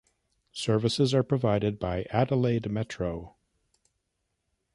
Services are provided by Adelaide Metro.